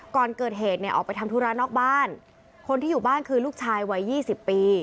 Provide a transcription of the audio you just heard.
ก่อนเกิดเหตุเนี่ยออกไปทำธุระนอกบ้านคนที่อยู่บ้านคือลูกชายวัย๒๐ปี